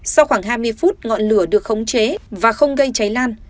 sau khoảng hai mươi phút ngọn lửa được khống chế và không gây cháy lan